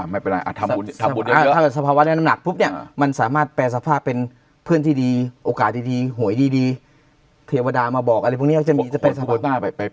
ไม่เป็นไรทำบุญได้ถ้าเกิดสภาวะได้น้ำหนักปุ๊บเนี่ยมันสามารถแปรสภาพเป็นเพื่อนที่ดีโอกาสดีหวยดีเทวดามาบอกอะไรพวกนี้ก็จะมีจะเป็น